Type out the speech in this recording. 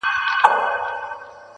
خولگۍ راکه شل کلنی پسرلی رانه تېرېږی-